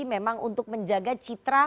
memang untuk menjaga cita cita